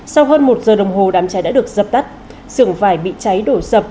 sau hơn một giờ đồng hồ đám cháy đã được dập tắt sưởng vải bị cháy đổ sập